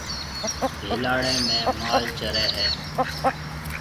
ڀيلاڙيَ ۾ مال چريَ هيَ۔